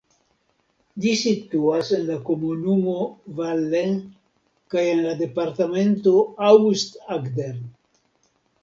Ĝi situas en la komunumo Valle kaj en la departemento Aust-Agder.